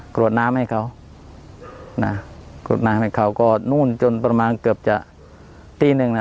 กรวดน้ำให้เขานะกรวดน้ำให้เขาก็นู่นจนประมาณเกือบจะตีหนึ่งน่ะ